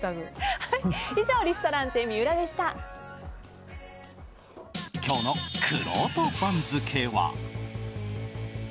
以上今日のくろうと番付は。